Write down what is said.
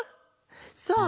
さあ